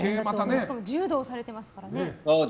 しかも柔道されてますからね。